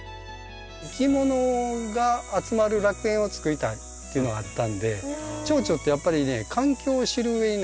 いきものが集まる楽園を作りたいっていうのがあったんでチョウチョってやっぱりね環境を知るうえにね